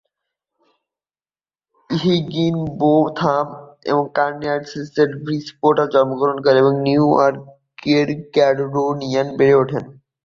Higginbotham কানেটিকাটের ব্রিজপোর্টে জন্মগ্রহণ করেন এবং নিউ ইয়র্কের ক্যালেডোনিয়ায় বেড়ে ওঠেন।